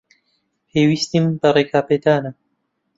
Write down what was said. پێویستیم بە ڕێگەپێدانە.